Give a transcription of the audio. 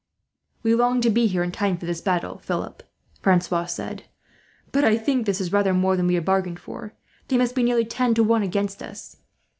"We longed to be here in time for this battle, Philip," Francois said; "but I think this is rather more than we bargained for. They must be nearly ten to one against us.